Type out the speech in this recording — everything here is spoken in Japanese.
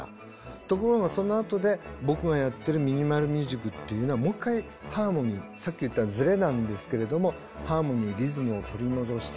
ところがそのあとで僕がやってるミニマル・ミュージックっていうのはもう一回ハーモニーさっき言ったズレなんですけれどもハーモニーリズムを取り戻した。